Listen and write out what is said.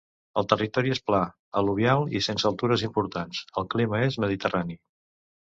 El territori és pla, al·luvial i sense altures importants; el clima és mediterrani.